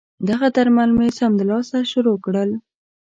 دغه درمل مې سمدلاسه شروع کړل.